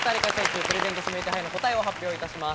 プレゼント指名手配の答えを発表いたします。